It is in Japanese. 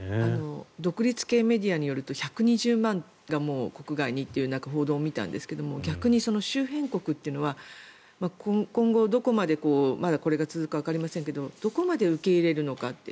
独立系メディアによると１２０万人がもう国外にという報道を見たんですが逆に周辺国というのは今後、どこまでこれが続くかわかりませんがどこまで受け入れるのかって。